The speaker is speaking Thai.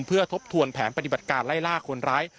เพื่อทบทวนแผนปฏิบัติการไล่ล่าคนร้าย